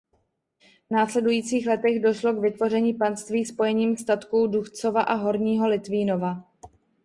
V následujících letech došlo k vytvoření panství spojením statků Duchcova a Horního Litvínova.